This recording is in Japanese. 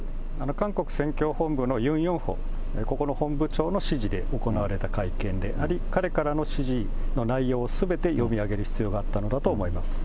韓国宣教本部のユン・ヨンホ、ここの本部長の指示で行われた会見であり、彼からの指示の内容をすべて読み上げる必要があったのだと思います。